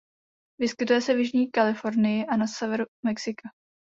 Vyskytuje se v Jižní Kalifornii a na severu Mexika.